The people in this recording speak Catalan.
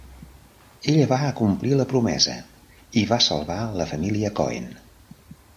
Ella va acomplir la promesa i va salvar la família Cohen.